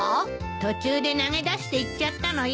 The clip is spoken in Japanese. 途中で投げ出していっちゃったのよ。